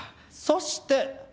そして。